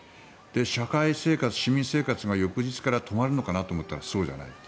社会生活、市民生活が翌日から止まるのかなと思ったらそうじゃない。